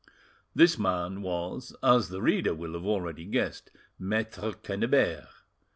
This man was, as the reader will have already guessed, Maitre Quennebert.